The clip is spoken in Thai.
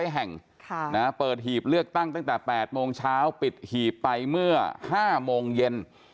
แห่งเปิดหีบเลือกตั้งตั้งแต่๘โมงเช้าปิดหีบไปเมื่อ๕โมงเย็น